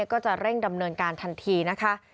ก็จะเร่งดำเนินการทันทีนะคะ